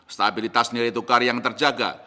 stabilitas nilai tukar yang terjaga